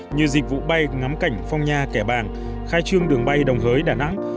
như dịch vụ bay ngắm cảnh phong nha kẻ bàng khai trương đường bay đồng hới đà nẵng